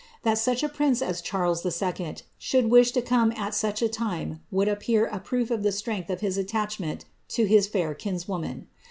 That such a prince I II. should wish to come at such a time would appear a proof ength of his attachment to his fair kinswoman.